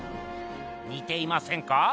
にていませんか？